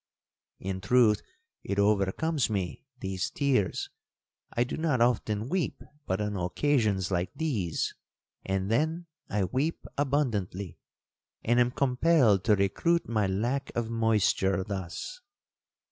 In truth, it overcomes me—these tears—I do not often weep but on occasions like these, and then I weep abundantly, and am compelled to recruit my lack of moisture thus.'